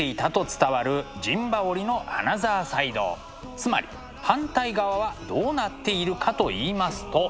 つまり反対側はどうなっているかと言いますと。